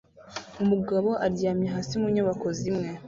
Umugabo aryamye hasi mu nyubako zimwe